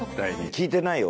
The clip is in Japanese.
聞いてないよ